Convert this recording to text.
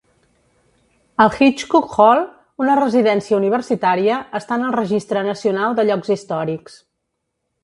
El Hitchcock Hall, una residència universitària, està en el Registre Nacional de Llocs Històrics.